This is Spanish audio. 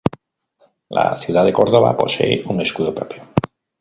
La ciudad de Córdoba posee un escudo propio.